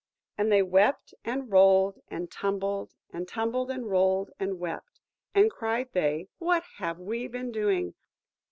And they wept, and rolled, and tumbled, and tumbled, and rolled, and wept; and cried they, "What have we been doing?